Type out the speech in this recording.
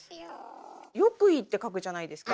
「浴衣」って書くじゃないですか。